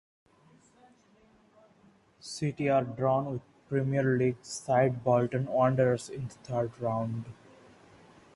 City were drawn with Premier League side Bolton Wanderers in the third round.